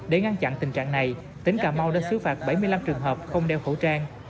để ngăn chặn tình trạng này tỉnh cà mau đã xứ phạt bảy mươi năm trường hợp không đeo khẩu trang